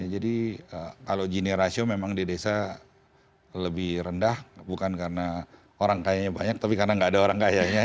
jadi kalau jini rasio memang di desa lebih rendah bukan karena orang kayanya banyak tapi karena gak ada orang kayanya